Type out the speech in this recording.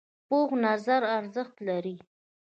پوخ نظر ارزښت لري